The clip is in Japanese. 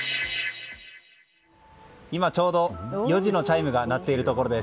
今、ちょうど４時のチャイムが鳴っているところです。